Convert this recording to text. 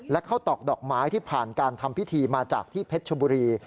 และข้าวตอกดอกไม้ที่ผ่านการทำพิธีมาจากที่เพชรชบุรี